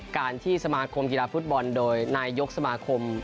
การที่สมาคมกีฬาฟุตบอลโดยนายยกสมาคม